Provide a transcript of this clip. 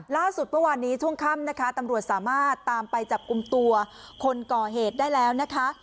ล่าสุดเมื่อวานนี้ช่วงค่ำนะคะตำรวจสามารถตามไปจับกลุ่มตัวคนก่อเหตุได้แล้วนะคะ